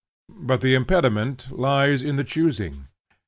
But the impediment lies in the choosing.